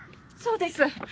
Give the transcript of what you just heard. そうです。